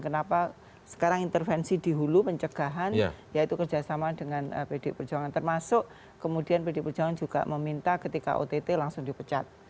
kenapa sekarang intervensi di hulu pencegahan yaitu kerjasama dengan pd perjuangan termasuk kemudian pdi perjuangan juga meminta ketika ott langsung dipecat